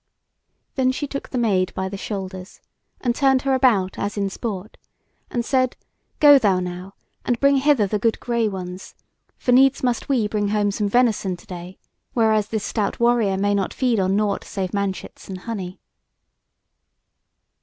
Then she took the Maid by the shoulders and turned her about as in sport, and said: "Go thou now, and bring hither the good grey ones; for needs must we bring home some venison to day, whereas this stout warrior may not feed on nought save manchets and honey."